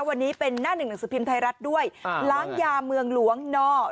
วันนี้เป็นหน้าหนึ่งหนังสือพิมพ์ไทยรัฐด้วยล้างยาเมืองหลวงน